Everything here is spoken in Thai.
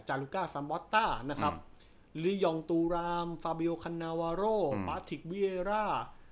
จารุก้าซัมบอสต้าลียองตูรามฟาบิโอคันนาวาโรปาทิกวิเอร่า